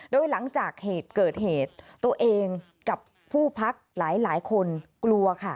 โดยหลังจากเหตุเกิดเหตุตัวเองกับผู้พักหลายคนกลัวค่ะ